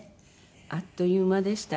あっという間でした。